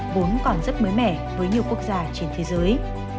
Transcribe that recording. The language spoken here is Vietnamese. vốn còn rất mới mẻ với nhiều quốc gia trên thế giới